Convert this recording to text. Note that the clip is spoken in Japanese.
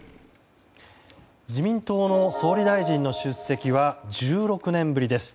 自民党の総理大臣の出席は１６年ぶりです。